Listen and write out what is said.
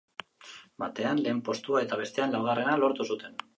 Batean, lehen postua eta bestean laugarrena lortu zuten.